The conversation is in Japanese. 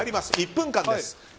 １分間です。